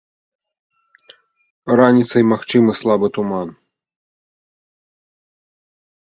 Раніцай магчымы слабы туман.